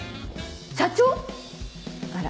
社長⁉あら。